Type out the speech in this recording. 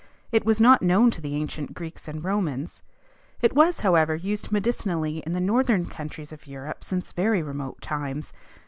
It was not known to the ancient Greeks and Romans. It was, however, used medicinally in the northern countries of Europe since very remote times.